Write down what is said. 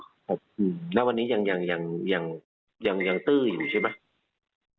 ครับแล้ววันนี้ยังตื้ออยู่ใช่ไหม